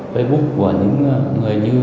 facebook của những người như